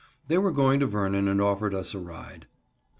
They were going to Vernon and offered us a ride.